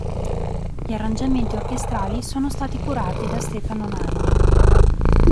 Gli arrangiamenti orchestrali sono stati curati da Stefano Nanni.